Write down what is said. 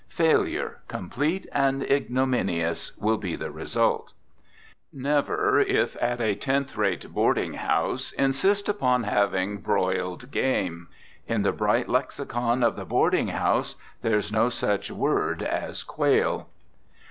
Failure, complete and ignominious, will be the result. Never, if at a tenth rate boarding house, insist upon having broiled game. In the bright lexicon of the boarding house there's no such word as quail.